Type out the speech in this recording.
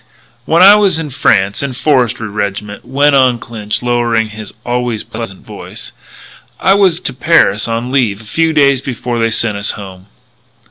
"When I was in France in a Forestry Rig'ment," went on Clinch, lowering his always pleasant voice, "I was to Paris on leave a few days before they sent us home.